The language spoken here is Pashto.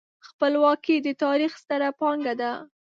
خپلواکي د تاریخ ستره پانګه ده.